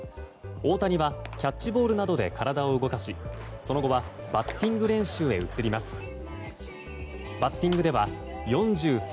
大谷はキャッチボールなどで体を動かしその後はバッティング練習へ移ります。